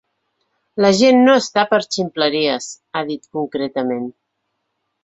La gent no està per ximpleries, ha dit concretament.